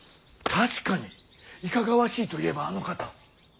確かにいかがわしいといえばあの方。